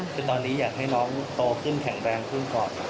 คือตอนนี้อยากให้น้องโตขึ้นแข็งแรงขึ้นก่อนครับ